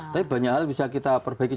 tapi banyak hal bisa kita perbaiki